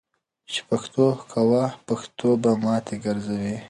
چی پښتو کوی ، پښتي به ماتی ګرځوي .